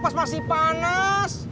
pas masih panas